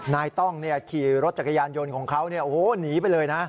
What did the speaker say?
นายต้องเนี่ยขี่รถจักรยานยนต์ของเขาเนี่ยโอ้โหหนีไปเลยนะ